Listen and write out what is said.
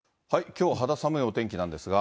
きょう、肌寒いお天気なんですが。